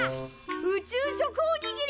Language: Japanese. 宇宙食おにぎり！